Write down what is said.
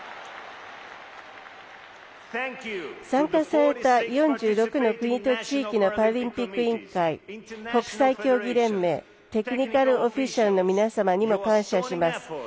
参加された４６の国と地域のパラリンピック委員会国際競技連盟テクニカルオフィシャルの皆様にも感謝します。